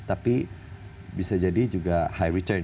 tapi bisa jadi juga high return